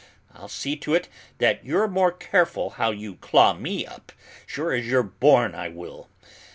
I'll see to it that you're more careful how you claw me up, sure as you're born, I will!